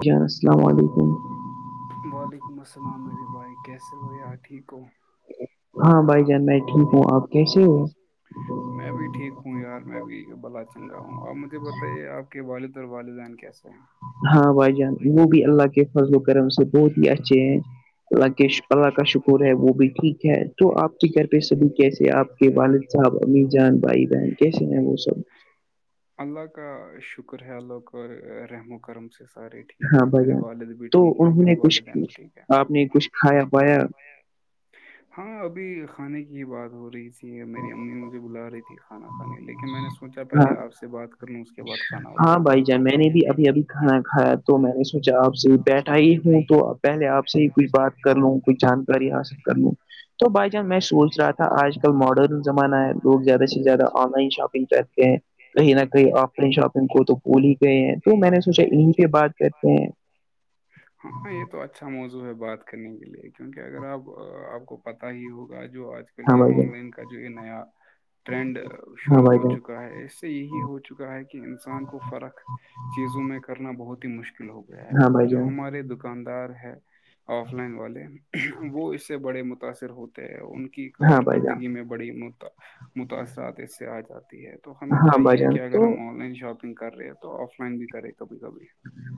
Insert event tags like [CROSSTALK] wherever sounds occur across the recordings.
کیا السلام و علیکم وعلیکم السلام میرے بھائی کیسے ہو یار ٹھیک ہو ہاں بھائی جان میں ٹھیک ہوں آپ کیسے ہو میں بھی ٹھیک ہوں یار میں بھی بھلا چنگا ہوں آپ مجھے بتائیے آپ کے والد اور والدین کیسے ہیں ہاں بھائی جان وہ بھی اللہ کے فضل و کرم سے بہت ہی اچھے ہیں اللہ کے اللہ کا شکر ہے وہ بھی ٹھیک ہے تو آپ کے گھر پہ سب کیسے آپ کہ والد صاحب امی جان بھائی جان بہن کیسے ہیں وہ سب اللہ کا شکر ہے اللہ رحم و کرم سے سارے ٹھیک ہیں میرے والد بھی ٹھیک ہے میرے والدین بھی ٹھیک ہے ہاں ابھی کھانے کی ہی بات ہو رہی تھی مری امی مجھے بلا رہی تھی کھانا کھانے لیکن میں نے سوچا پہلے آپ سے بات کر لوں اس کے بعد ہاں بھائی جان میں نے بھی ابھی ابھی کھانا کھایا تو میں نے سوچا آپ سے بیٹھا ہی ہوں تو پہلے آ سے ہی کچھ بات کر لوں کچھ جانکاری حاصل کر لوں تو بائی چانس میں سوچ رہا تھا آج کل ماڈرن زمانہ ہے لوگ زیادہ سے زیادہ آن لائن شاپنگ کرتے ہیں کہیں نہ کہیں آف لائن شاپ ان کو تو بول ہی گئے ہیں تو میں نے سوچا انیں پہ بات کرتے ہیں اچھا موضوع ہے بات کرنے کے لیے کیونکہ اگر آپ آپ کو پتاہ ہی ہوگا جو آج کے لیے آن لائن کا جو یہ نیا ٹرینڈ شروع ہو چکا ہے اس سے یہی ہو چکا ہے کہ انسان کو فرق چیزوں میں کرنا بہت ہی مشکل ہوگا اور جو ہمارے دکاندار ہے آف لائن والے وہ اس سے بڑے متاثر ہوتے ہیں ان کی کارکردگی میں بڑی متاثرات اس سے آ جاتی ہے تو ہمیں چاہیے کہ اگر ہم آن لائن شاپنگ کر رہے ہے تو آف لائن بھی کرے کبھی کبھی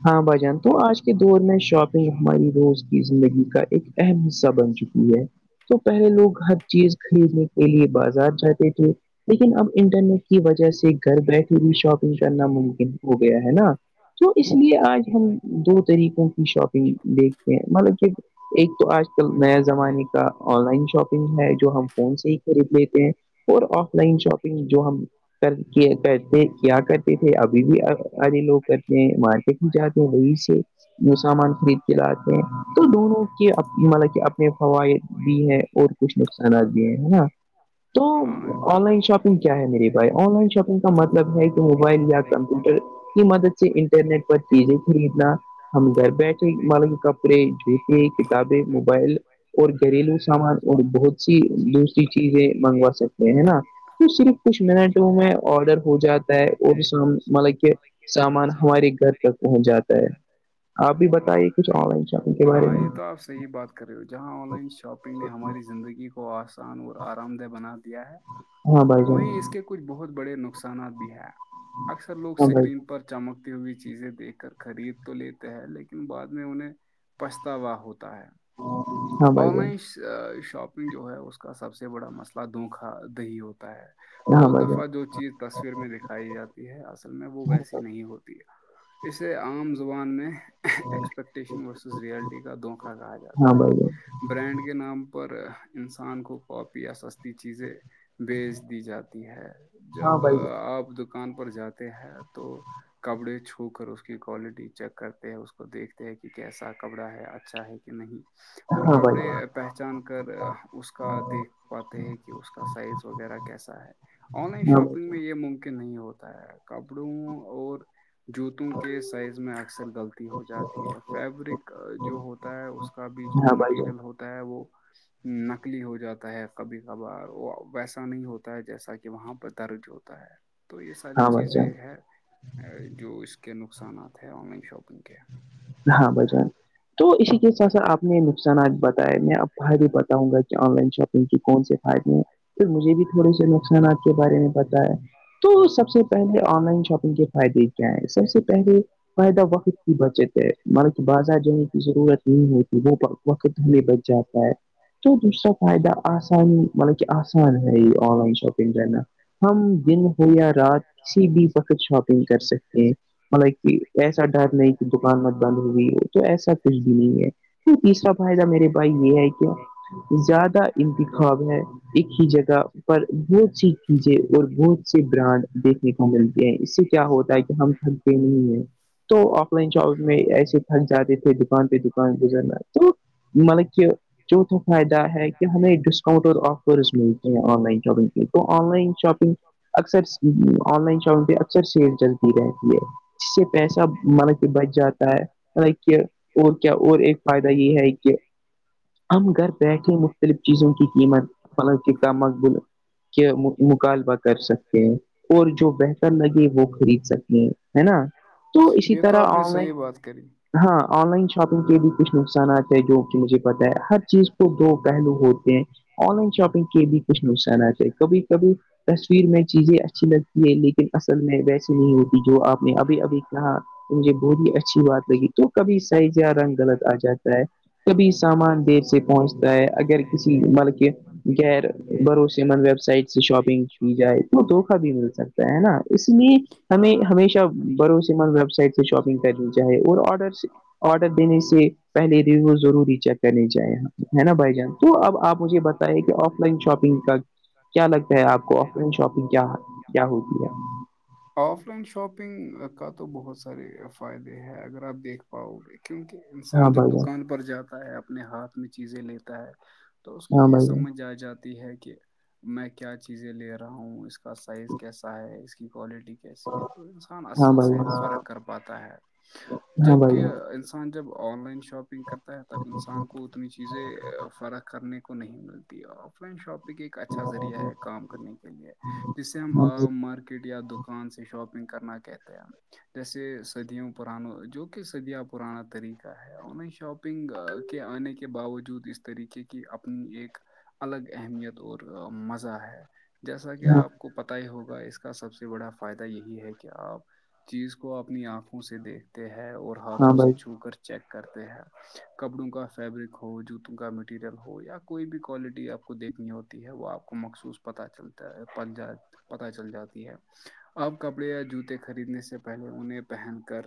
ہاں بھائی جان تو آج کے دور میں شاپنگ ہماری روز کی زندگی کا ایک اہم حصہ بن چکی ہے تو پہلے لوگ ہر چیز خریدنے کے لیے بازار جاتے تھے لیکن اب انٹرنیٹ کی وجہ سے گھر بیٹھے بھی شاپنگ کرنا ممکن ہو گیا ہے نا تو اس لیے آج ہم دو طریقوں کی شاپنگ دیکھتے ہیں مطلب کہ ایک تو آج کل نیا زمانے کا آن لائن شاپنگ ہے جو ہم فون سے ہی خرید لیتے ہیں اور آف لائن شاپنگ جو ہم کرتے کیا کرتے تھے ابھی بھی آدے لوگ کرتے میں مارکیٹ میں جاتے ہیں وہی سے وہ سامان خرید کے لاتے ہیں تو دونوں کے مطلب کہ اپنے فوائد بھی ہے اور کچھ نقصانات بھی ہیں نا تو آن لائن شاپنگ کیا ہے میرے بھائی آن لائن شاپنگ کا مطلب ہے کہ موبائل یا کمپیوٹر کی مدد سے انٹرنیٹ پر چیزیں خریدنا ہم گھر بیٹھے موں کے کپڑے جووتے کتابیں موبائل اور گھریلو سامان اور بہت دوسری چیزیں منگوا سکتے ہیں نا تو صرف کچھ منٹوں میں آڈر ہو جاتا وہ بھی سام مطلب کہ سامان ہمارے گھر تک پہنچ جاتا ہے ہاں یہ تو آپ صحیح بات کر رہے ہو جہاں آن لائن شاپنگ نے ہماری زندگی کو آسان اور آرام دہ بنا دیا ہے وہیں اس کے کے کچھ بہت بڑے نقصانات بھی ہیں اکثر لوگ سکرین پر چمکتی ہوئی چیزیں دیکھ کر خرید تو لیتے ہیں لیکن بعد میں انہیں پھتاوا ہوتا ہے آن لائن شاپنگ جو ہے اس کا سب سے بڑا مسئلہ دھوکا دہی ہوتا ہے بہت دفعہ جو چیز تصویر میں دکھائی جاتی ہے اصل میں وہ ویسی نہیں ہوتی ہے اسے عام زبان میں ایکسپکٹیشن ورسز ریئلٹی کا دھوکہ کہا جاتا ہے برانڈ کے نام پر انسان کو کاپی یا سستی چیزیں بیچ دی جاتی ہے جب آپ دکان پر جاتے ہیں تو کپڑے چھو کر اس کی کوالٹی چیک کرتے ہیں اس کو دیکھتے ہیں کہ کیسا کپڑا ہے اچھا ہے کہ نہیں اور کپڑے پہچان کر اس کا دیکھ پاتے ہیں کہ اس کا سائز وغیرہ کیسا ہے آن لائن شاپنگ میں یہ ممکن نہیں ہوتا ہے کپڑوں اور جوتوں کے سائز میں اکثر غلطی ہو جاتی ہے فیبرک جو ہوتا ہے اس ب جو میٹیریل ہوتا ہے وہ نکلی ہو جاتا ہے کبھی کبھار ویسا نہیں ہوتا ہے جیسا کہ وہاں پہ درج ہوتا تا ہے تو یہ ساری چیزیں ہے جو اس کے نقصانات ہیں آن لائن شاپنگ کے ہاں بھچان تو اسی کے ساتھ ساتھ آپ نے نقصانات بتائے میں فائدے بتاؤں گا کہ آن لائن شاپنگ کی کون سے فائدے ہیں س مجھے بھی تھوڑے سے نقصاناتپ کے بارے میں پتا تو سب سے پہلے آن لائن شاپنگ کے فائدے کیا ہیں سب سے پہلے وہ دب بچت ہے مارے بازار جانے کی ضرورت نہیں ہوتی وہ وقت ہمیں بچ جاتا ہے تو دوسرا فائدہ آسان مطلب کہ آسان ہے یہ آن لائن شاپنگ کرنا ہم جن ہو یا رات کسی بھی وقت شاپنگ کر سکتے ہیں مطلب کہ ایسا ڈر نہیں دکان مت بند ہو گئی ہے تو ایسا کچھ بھی نہیں ہے نہیں تیسرا فائدہ میرے بھائی یہ ہے کیا زیادہ انتخاب ہے ایک ہی جگہ پر وہ چیز کیجیے اور بہت سےی برانڈ دیکھنے کو ملتے ہیں اس سے کیا ہوتا ہے کہ ہم کلتے نہیں ہیں تو ایسے تھک جاتے تھے دکان پہ دکان گزرنا تو مطلب کہ چوتھا فائدہ ہے کہ ہمیں ڈسکاؤنٹ اور آفرز ملتے ہیں آن لائن شاپنگ کے تو آن لائن شاپنگ اکثر آن لائن شاپنگ پہ اکثر سیل چلتی رہتی ہے ج سے پیسہ م بچ جاتا ہے اور کیا اور ایک فائدہ یہ ہے کہ ہم گھر بیٹھے مختلف چیزوں کی قیمت ملب کا مقبول مطالبہ کر سکتے ہیں اور جو بہتر لگے وہ خرید سکیں ہے نا تو اسی ہاں ل شاپنگ کے بھی کچھ نقصانات ہے جو کہ مجھے پتا ہے ہر چیز کو دو پہلو ہوتے ہیں آن لائن شاپنگ کے بھی کچھ نقصانات ہے کبھی کبھی تصویر میں چیزیں اچ لگتی ہے لیکن اصل میں ویسی نہیں ہوتی جو آپ نے ابھی ابھی کہا مجھے بہت ہی اچھی بات لگی تو کبھی سائز یا رنگ غلط آ جاتا ہے کبھی سامان دیر سے پہنچتا ہے اگر کسی ملک غیر بھروسے مند ویب سائٹ سے شاپنگ کی جائے تو دھوکا بھی مل سکتا ہے نا اس لیے ہمیں ہمیشہ بھروسم ویب سائٹ سے شاپنگ کرنی چاہے اور آڈر آڈر دینے سے پہے بھی وہ ضروری چیک کرنے جاہیں یہ ہے نا بھائی جان تو اب آپ مجھے بتایا کہ آف لائن شاپنگ کا کیا لگتا ہے آپ کو آف لائن شاپنگ کیا کیا ہوتی ہے آف لائن شاپنگ کا تو بہت سارے فائدے ہے اگر آپ دیکھ پاؤ گے کیونکہ انسان جب دکان پر جاتا ہے اپنے ہاتھ میں چیزیں لیتا ہے تو اس کو یہ سمجھ آ جاتی ہے کہ میں کیا چیزیں لے رہا ہوں اس اس کا سائز کیسا ہے اس کی کوالٹی کیسی ہے تو انسان اصل سے فرق کر پاتا ہے جبکہ انسان انسان جب آن لائن شاپنگ کرتا ہے تب انسان کو اتنی چیزیں فرق کرنے کو نہیں ملتی آف لائن شاپنگ ایک اچھا ذریعہ ہے کرنے کے لیے جس سے ہم آ مارکیٹ یا دکان سے شاپنگ کرنا کہتے ہیں جیسے صدیوں پرانوں جو کہ سدیا پرانا طریقہ ہے اور شاپ نگ کے آنے کے باوجود اس طریقے کی اپنی ایک الگ اہمیت اور مزہ ہے جیسا کہ آپ کو پت ہی ہوگا اس کا سب سے بڑا فائدہ یہی ہے کہ آپ چیز کو اپنی آنکھوں سے دیکھتے ہیں اور ہاتھوں سے چھو کر چیک کرتے ہیں کپڑوں کا فیبرک ہو جوتوں کا مٹیریل ہو یا کوئی بھی کوالٹی آ کو دیکھنی ہوتی ہے وہ آپ کو مخصوص پت چلتا ہے پل جا پت چل جاتی ہے اب کپڑے یا جوتے خریدنے سے پہلے انہیں پہن کر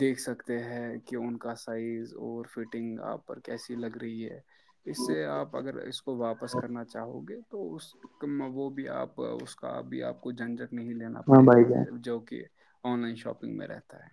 دیکھ سکتے ہیں کہ ان کا سائز اور فٹنگ آپ پر کیسی لگ رہی ہے اس سے آپ اگر اس کو واپس کرنا چاہو گے تو اس وہ بھی آپ اس کا بھی آپ کو جھنجھٹ نہیں لینا پڑے گا جو کہ آن لائن شاپنگ میں رہتا ہے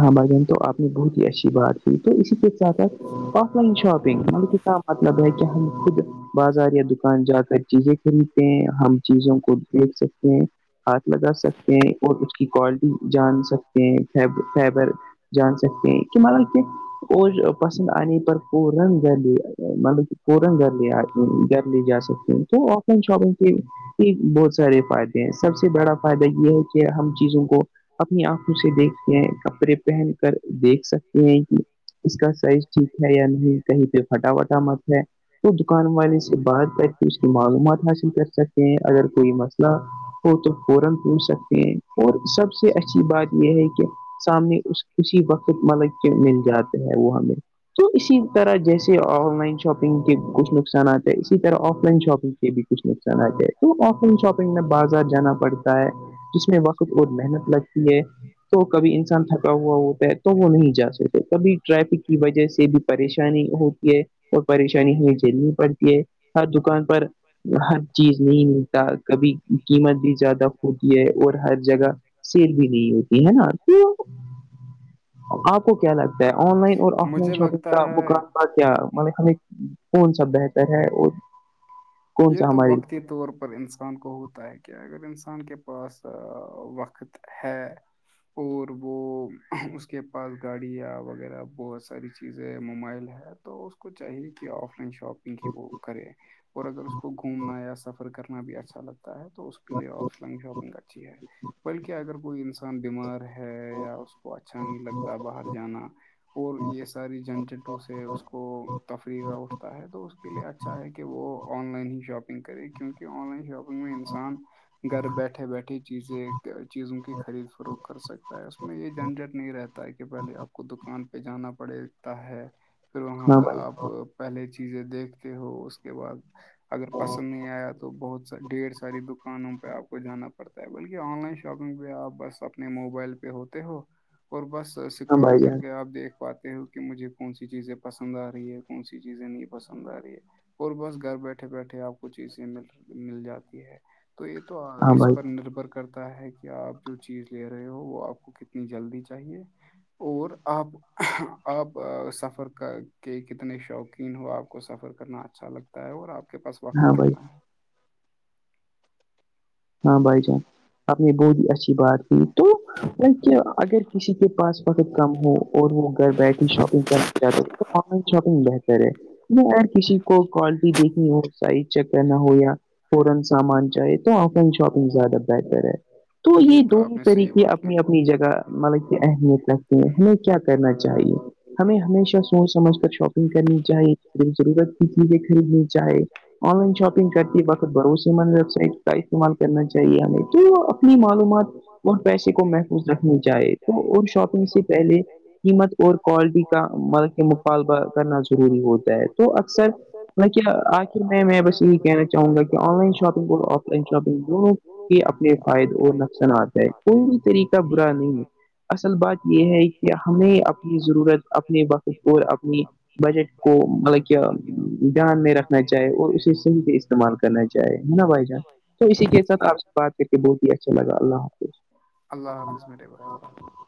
ہاں بھائین تو آپ نے بہت ہی اچھی بات کی تو اسی سے سات آف لائن شاپنگ مطلبیت مطلب ہے کہ ہم خود بازاریا دکان زیادہ تر چی کلتے ہیں ہم چیزوں کو دیکھ سکتے ہیں ہاتھ لگا سکتے ہیں اور اس کی کوالٹی جان سکتے ہیں فیبر جان سکتے ہیں کیا مانا لگتے ہیں کوئی پسند انے بھرپور تو سب کی یہ بہت سارے فائدے ہیں سب سے بڑا فائدہ یہ ہے کہ ہم چیزوں کو اپنی آنکھوں سے دیکھتے ہیں کپڑے پہن کر دیکھ سکتے ہیں کہ اس کا سائز ٹھیک ہے یا نہیں کہیں پہ پٹافٹا مت ہے وہ دکان والے سے بات کر کے اس کی معلومات حاصل کر سکتے ہیں اگر کوئی مسئلہ اور جب فورا پوچھ سکتے ہیں اور سب سے اچھی بات یہ ہے کہ سامنے اسی وقت ملک کیوں مل جاتا ہے وہ ہمیں تو اسی اس طرح جیسے آن لائن شاپنگ کے کچھ نقصانات ہیں اسی طرح آف لائن شاپنگ بھی کچھ نقصانات ہے تو آف لائن شاپنگ میں بازار جانا پڑتا ہے جس میں وقت اور محنت لکتی ہے [UNINTELLIGIBLE] تو کبھی انسان تھکا ہوا ہوتا ہے تو وہ نہیں جا سکتے کبھی ٹریفک کی وجہ سے بھی پریشانی ہوتی ہے اور پریشانی ہمیں جلنی پڑتی ہے ہر دکان پر ہر چیز نہیں ملتا کبھی قیمت بھی زیادہ ہوتی ہے اور ہر جگہ سیل بھی نہیں ہوتی ہے نا تو آپ کو کیا لگتا ہے آن لائن اور آ شاپگ کا بکان کیا م کون سا بہتر ہے اور یہ تو وقتی طور پر انسان کو ہوتا ہے ہوتا ہے کہ اگر انسان کے پاس وقت ہے اور وہ اس کے پاس گاڑیاں وغیرہ بہت ساری چیزیں موبائل ہے تو اس کو چاہیے کہ آف لائن شاپنگ کی وہ کرے اور اگر اس کو گھومنا یا سفر کرنا بھی اچھا لگتا ہے تو اس کے لیے آف شاپنگ اچھی ہے بلکہ اگر کوئی انسان بیمار ہے ہے یا اس کو اچھا نہیں لگتا باہر جانا اور یہ ساری جھنجٹوں سے اس کو تفریح کا اٹھتا ہے تو اس کے لیے اچھا ہے کہ وہ آن لائن ہی شاپنگ کرے کیونکہ آن لائن شاپنگ میں انسان گھر بیٹھے بیٹھے چیزیں چیزوں کی خرید فروخ کر سکتا ہے اس میں یہ جھنجٹ نہیں رہتا کہ پہلے آپ کو دکان پہ جانا پڑتا ہے پھر وہاں پر آپ پہلے چیزیں دیکھتے ہو اس کے بعد اگر پسند نہیں آیا تو بہت س ڈھیڑھ ساری دک دکانوں پہ آپ کو جانا پڑتا ہے بلکہ آن لائن شاپنگ پہ آپ بس اپنے موبائل پہ ہوتے ہو اور بس اسکرول کر کے آپ دیکھ پاتے ہو کہ مجھے کون سی چیزیں پسند آ رہی ہے کون سی چیزیں نہیں پسند آ رہی ہے اور بس گھر بیٹھے بیٹھے آپ کو چیزیں م مل جاتی ہے تو یہ تو اس پر نربھر کرتا ہے کہ آپ جو چیز لے رہے ہو وہ آپ کو کتنی جلدی چاہیے اور آپ آپ سفر کا کے کتنے شوق ہیں ین ہو آپ کو سفر کرنا اچھا لگتا ہے اور آپ کے پاس وقت کتنا ہے ہاں بھائی جان آپ نے بہت ہی اچھی بات کی تو کہ اگر کسی کے پاس وقت کم ہو اور وہ گھر بیٹھے شاپنگ کرنا چاہتا ہو تو شاپنگ بہتر ہے میں اگر کسی کو کوالٹی دیکھنی ہو صحیح چیک کرنا ہو یا فورا سامان چاہیے تو اپ شاپنگ زیادہ بہتر ہے تو یہ دونوں طریقے اپنی اپنی جگہ مطلب کہ اہمیت رکھتی ہے ہمیں کیا کرنا چاہیے ہمیں ہمیشہ سوچ سمجھ کر شاپنگ کرنی چاہی ضرورت کی چیزیں خریدنی چاہے آن لائن شاپنگ کرتی ہے وقت بھروسے م ویب سائٹ استعمال کرنا چاہیے ہمیں تو وہ اپنی معلومات اور پیسے کو محفوظ رکھنی چاہی تو اور شاپنگ سے پہلے قیمت اور کوالٹی کا مقالبہ کرنا ضروری ہوتا ہے تو اکثر میں کیا آخر میں جاین لن شپنگ ائ شاپنگوں کے اپنے فائدے اور نقصانات ہیں کوئی بھی طریقہ برا نہیں ہے اصل بات یہ ہے کہ ہمیں اپنی ضرورت اپنے وقت اور اپنی بجٹ کو مطلب کہ دھیان میں رکھنا چاہے چاہیں اور اسی سے بھی استعمال کرنا چاہے بھائی تو اسی کے سھ آپ سے بات کر کے بہت ہی اچھا لگا اللہ حافظ اللہ حافظ میں رہے بائے اللہ حاظ